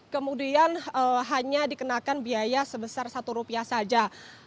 kemudian hanya dikenakan biaya sebesar satu rupiah saja